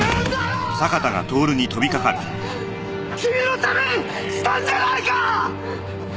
俺は君のためにしたんじゃないか！